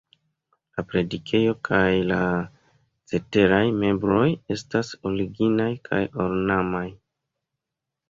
La predikejo kaj la ceteraj mebloj estas originaj kaj ornamaj.